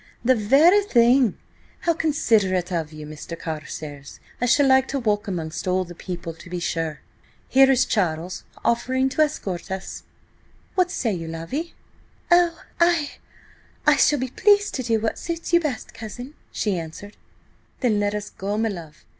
"The very thing. How considerate of you, Mr. Carstares! I shall like to walk amongst all the people, to be sure! Here is Charles offering to escort us, too! What say you, Lavvy?" "I–oh, I shall be pleased to do what suits you best, cousin," she answered. "Then let us go, my love.